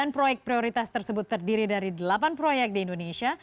sembilan proyek prioritas tersebut terdiri dari delapan proyek di indonesia